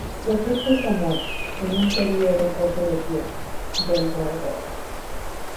Su efecto es la muerte, en un período corto de tiempo, del roedor.